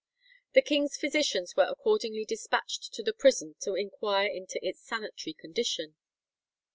The king's physicians were accordingly despatched to the prison to inquire into its sanitary condition.